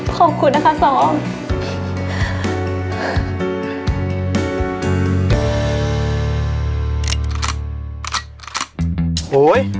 ขอบคุณนะคะสอง